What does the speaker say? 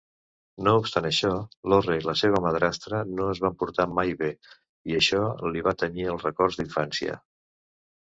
No obstant això, Lorre i la seva madrastra no es van portar mai bé, i això li va tenyir els records d'infància.